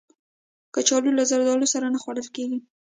کچالو له زردالو سره نه خوړل کېږي